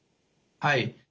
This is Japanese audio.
はい。